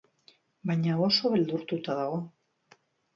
Baina oso beldurtuta dago.